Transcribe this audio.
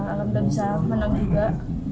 alhamdulillah bisa menang juga